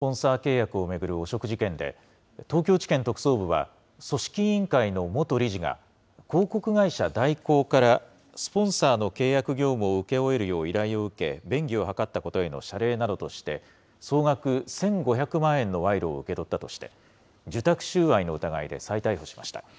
東京オリンピック・パラリンピックのスポンサー契約を巡る汚職事件で、東京地検特捜部は、組織委員会の元理事が、広告会社、大広からスポンサーの契約業務を請け負えるよう依頼を受け、便宜を図ったことへの謝礼などとして、総額１５００万円の賄賂を受け取ったとして、受託収賄の疑いで再逮捕しました。